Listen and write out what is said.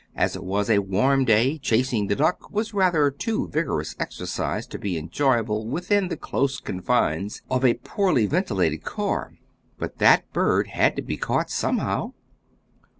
As it was a warm day, chasing the duck was rather too vigorous exercise to be enjoyable within the close confines of a poorly ventilated car, but that bird had to be caught somehow.